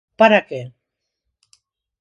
_¿Para que?